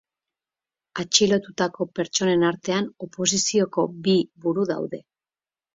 Atxilotutako pertsonen artean oposizioko bi buru daude.